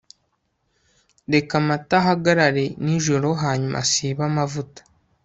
reka amata ahagarare nijoro hanyuma asibe amavuta